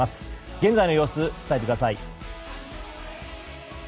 現在の様子を伝えてください。